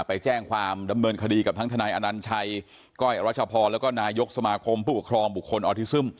ไปแจ้งความดำเนินคดีกับทั้งทนายอนัญชัยก้อยรัชพรแล้วก็นายกสมาคมผู้ปกครองบุคคลออทิซึม